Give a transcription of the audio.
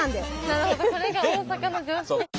なるほどそれが大阪の常識。